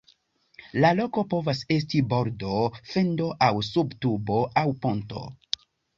La loko povas esti bordo, fendo aŭ sub tubo aŭ ponto.